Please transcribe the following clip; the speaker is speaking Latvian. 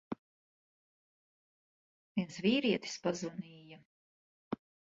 Viens vīrietis pazvanīja.